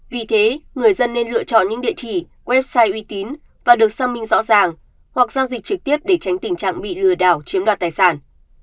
vì thế người dân nên lựa chọn những địa chỉ website uy tín và được xác minh rõ ràng hoặc giao dịch trực tiếp để tránh tình trạng bị lừa đảo chiếm đoạt tài sản